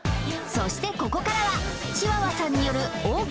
そしてここからはチワワさんによるを紹介！